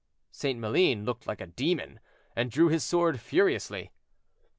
St. Maline looked like a demon, and drew his sword furiously.